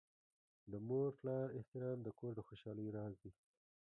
د مور پلار احترام د کور د خوشحالۍ راز دی.